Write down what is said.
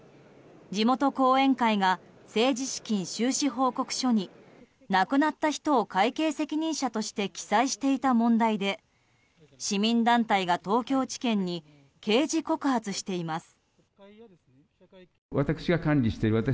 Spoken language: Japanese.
地元後援会が政治資金収支報告書に亡くなった人を会計責任者として記載していた問題で市民団体が東京地検に刑事告発しています。